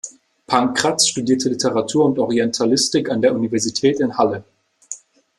Pankratz studierte Literatur und Orientalistik an der Universität in Halle.